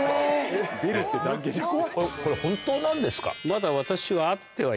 これ本当なんですか？